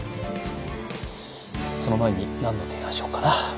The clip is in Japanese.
その前に何の提案しようかな。